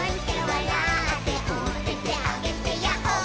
「おててあげてヤッホー」